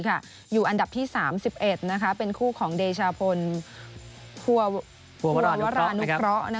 อันดับที่๓๑เป็นคู่ของเดชาพลพวรณพระ